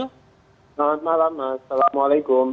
selamat malam mas assalamualaikum